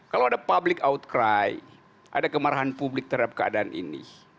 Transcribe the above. kalau ada public outcry ada kemarahan publik terhadap keadaan ini